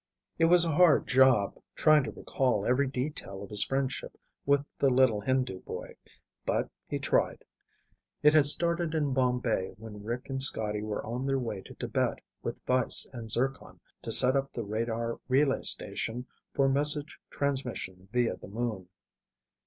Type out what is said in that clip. It was a hard job, trying to recall every detail of his friendship with the little Hindu boy, but he tried. It had started in Bombay when Rick and Scotty were on their way to Tibet with Weiss and Zircon to set up the radar relay station for message transmission via the moon.